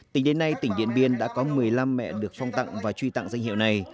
tính đến nay tỉnh điện biên đã có một mươi năm mẹ được phong tặng và truy tặng danh hiệu này